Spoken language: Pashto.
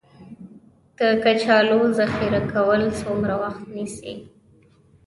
د کچالو ذخیره کول څومره وخت نیسي؟